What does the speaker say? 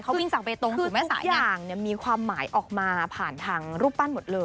คือทุกอย่างมีความหมายออกมาผ่านทางรูปปั้นหมดเลย